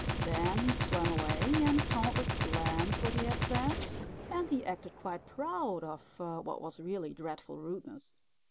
Then he swam away and told the Clams what he had said, and he acted quite proud of what was really dreadful rudeness.